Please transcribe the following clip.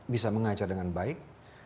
bisa mengajar dengan baik